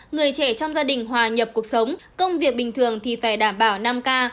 người trẻ trong gia đình hòa nhập cuộc sống công việc bình thường thì phải đảm bảo năm k